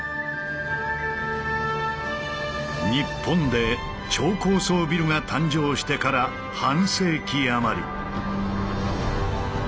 日本で超高層ビルが誕生してから半世紀余り。